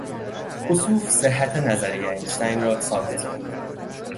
خسوف صحت نظریهی انشتین را ثابت کرد.